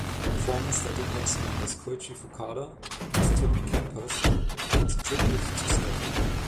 Former Static-X members Koichi Fukuda and Tony Campos paid tribute to Static.